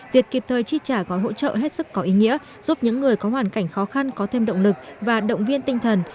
việc kịp thời chi trả gói hỗ trợ hết sức có ý nghĩa giúp những người có hoàn cảnh khó khăn có thêm động lực và động viên tinh thần